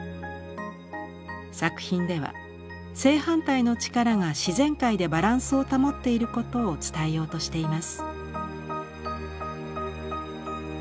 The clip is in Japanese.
作品では正反対の力が自然界でバランスを保っていることを伝えようとしています。